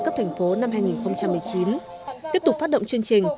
cấp thành phố năm hai nghìn một mươi chín tiếp tục phát động chương trình